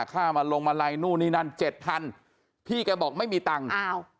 ค่ามาลงมาลัยนู่นนี่นั่นเจ็ดพันพี่แกบอกไม่มีตังค์อ้าว